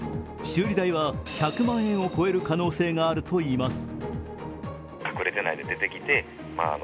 修理代は１００万円を超える可能性があるといいます。